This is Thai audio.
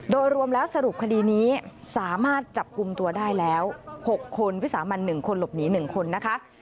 โดยรวมแล้วสรุปคดีนี้สามารถจับกลุ่มตัวได้แล้ว๖คนวิสามัน๑คนหลบหนี๑คนนะคะ